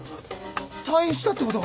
退院したってことか？